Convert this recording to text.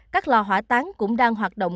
các lò hỏa tán cũng đang hoạt động